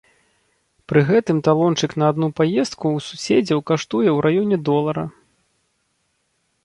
Пры гэтым талончык на адну паездку ў суседзяў каштуе ў раёне долара.